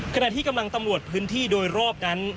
ขณะที่กำลังตำรวจพื้นที่โดยรอบนั้น